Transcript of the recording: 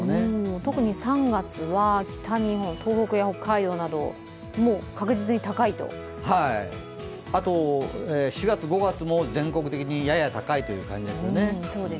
特に３月は北日本、東北や北海道などあと４月、５月も全国的にやや高いという感じですよね。